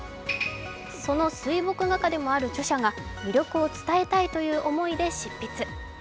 その水墨画家でもある著者が魅力を伝えたいという思いで執筆。